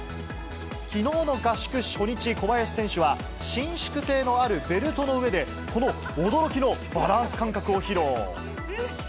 きのうの合宿初日、小林選手は、伸縮性のあるベルトの上で、この驚きのバランス感覚を披露。